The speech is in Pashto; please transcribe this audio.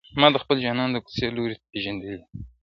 ما د خپل جانان د کوڅې لوری پېژندلی دی-